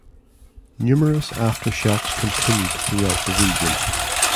Numerous aftershocks continued throughout the region.